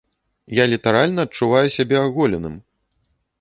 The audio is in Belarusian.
Я літаральна адчуваю сябе аголеным!